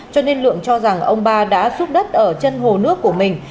cho nên lượng cho rằng ông ba đã xúc đất ở chân hồ nước của mình